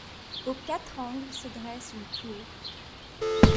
Aux quatre angles se dresse une tour.